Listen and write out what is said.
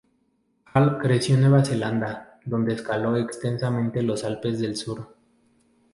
Hall creció en Nueva Zelanda, donde escaló extensamente los Alpes del Sur.